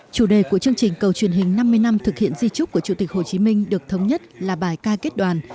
chủ đề của chương trình cầu truyền hình năm mươi năm thực hiện di trúc của chủ tịch hồ chí minh được thống nhất là bài ca kết đoàn